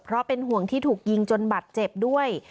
เพราะเป็นห่วงที่ถูกยิงจนบัตรเจ็บด้วย